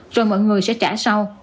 rồi mọi người sẽ trả sau